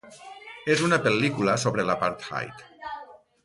És una pel·lícula sobre l'apartheid.